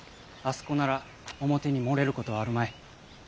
あそこなら表に漏れることはあるまい。